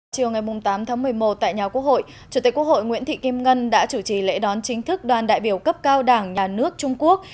chiều ngày tám tháng một mươi một tại nhà quốc hội chủ tịch quốc hội nguyễn thị kim ngân đã chủ trì lễ đón chính thức đoàn đại biểu cấp cao đảng nhà nước trung quốc